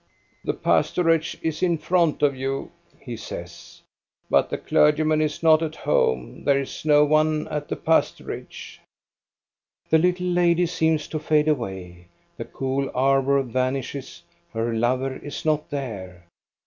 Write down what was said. " The pastorage is in front of you/' he says, but the clergyman is not at home, there is no one at the pastorage." The little lady seems to fade away. The cool arbor vanishes, her lover is not there.